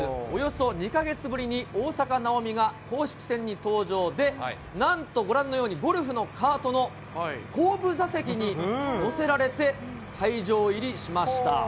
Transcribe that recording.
およそ２か月ぶりに大坂なおみが公式戦に登場で、なんとご覧のように、ゴルフのカートの後部座席に乗せられて会場入りしました。